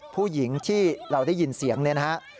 ผู้หญิงที่เราได้ยินเสียงเนี่ยนะฮะ